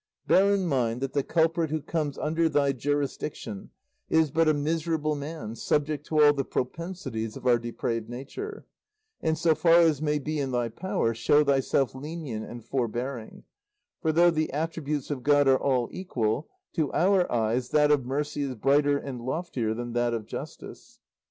"Bear in mind that the culprit who comes under thy jurisdiction is but a miserable man subject to all the propensities of our depraved nature, and so far as may be in thy power show thyself lenient and forbearing; for though the attributes of God are all equal, to our eyes that of mercy is brighter and loftier than that of justice.